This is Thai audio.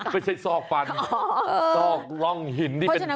ไม่ใช่ซอกฟันซอกร่องหินที่เป็นถ้ำ